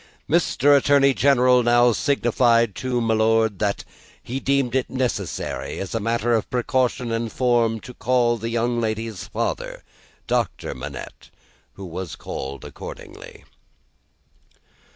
Mr. Attorney General now signified to my Lord, that he deemed it necessary, as a matter of precaution and form, to call the young lady's father, Doctor Manette. Who was called accordingly.